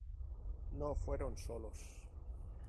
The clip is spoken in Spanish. No fueron solos.